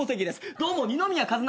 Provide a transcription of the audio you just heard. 「どうも二宮和也